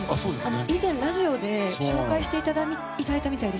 以前ラジオで紹介していただいたみたいで。